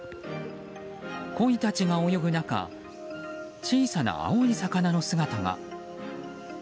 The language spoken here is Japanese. コイたちが泳ぐ中小さな青い魚の姿が。